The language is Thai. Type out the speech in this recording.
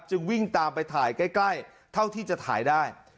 จึงวิ่งตามไปถ่ายใกล้เท่าที่จะถ่ายได้